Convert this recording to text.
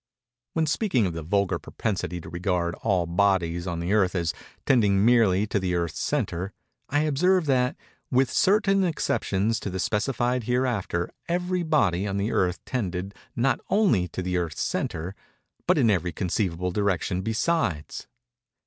When speaking of the vulgar propensity to regard all bodies on the Earth as tending merely to the Earth's centre, I observed that, "with certain exceptions to be specified hereafter, every body on the Earth tended not only to the Earth's centre, but in every conceivable direction besides."